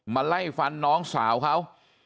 ไล่ฟันน้องสาวเขา